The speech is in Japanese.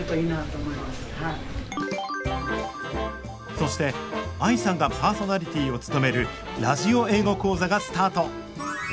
そしてＡＩさんがパーソナリティーを務める「ラジオ英語講座」がスタート。